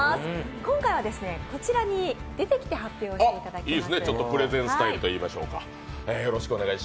今回はこちらに出てきて発表していただきます。